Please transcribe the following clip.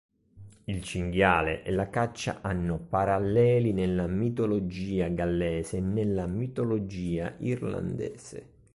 Il cinghiale e la caccia hanno paralleli nella mitologia gallese e nella mitologia irlandese.